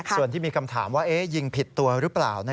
ส่วนที่มีคำถามว่ายิงผิดตัวหรือเปล่า